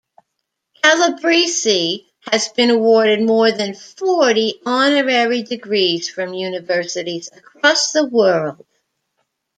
Calabresi has been awarded more than forty honorary degrees from universities across the world.